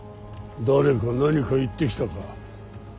誰か何か言ってきたか。